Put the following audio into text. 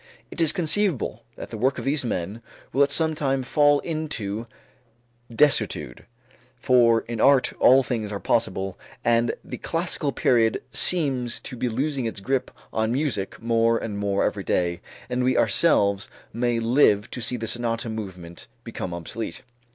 It is conceivable that the work of these men will at some time fall into desuetude, for in art all things are possible, and the classical period seems to be losing its grip on music more and more every day and we ourselves may live to see the sonata movement become obsolete.